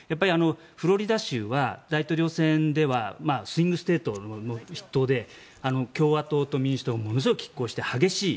フロリダ州は大統領選ではスイングステートの筆頭で共和党と民主党ものすごいきっ抗して激しい。